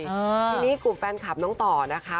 ทีนี้กลุ่มแฟนคลับน้องต่อนะคะ